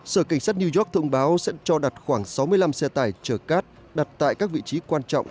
sở cảnh sát new york thông báo sẽ cho đặt khoảng sáu mươi năm xe tải chở cát đặt tại các vị trí quan trọng